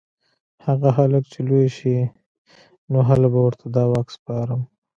هغه هلک چې لوی شي نو هله به ورته دا واک سپارم